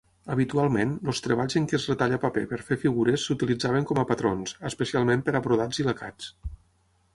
Habitualment, els treballs en què es retalla paper per fer figures s'utilitzaven com a patrons, especialment per a brodats i lacats.